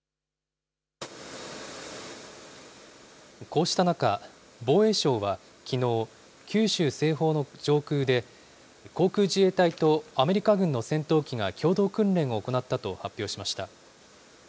こうした中、防衛省はきのう、九州西方の上空で航空自衛隊とアメリカ軍の戦闘機が共同訓練を行ったと発表しました。